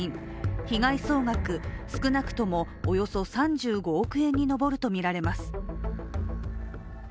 被害総額少なくともおよそ３５億円に上るとみられます。